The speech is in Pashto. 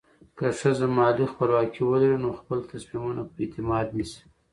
که ښځه مالي خپلواکي ولري، نو خپل تصمیمونه په اعتماد نیسي.